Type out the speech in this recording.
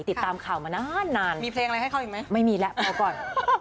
ติดตามข่าวมานานนานมีเพลงอะไรให้เขาอีกไหมไม่มีแล้วขอก่อน